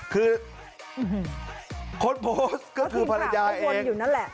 คือค้นโพสต์ก็คือภรรยายเอง